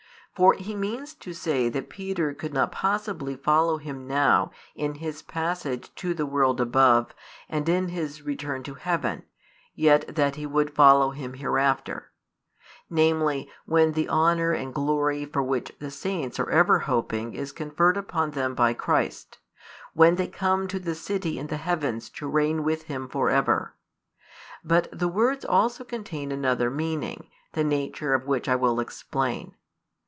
For He means to say that Peter could not possibly follow Him now in His passage to the world above and in His return to heaven, yet that he would follow Him hereafter; namely, when the honour and glory for which the saints are ever hoping is conferred upon them by Christ, when they come to the city in the heavens to reign with Him for ever. But the words also contain another meaning, the nature of which I will explain.